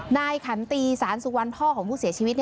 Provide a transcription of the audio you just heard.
ขันตีสารสุวรรณพ่อของผู้เสียชีวิต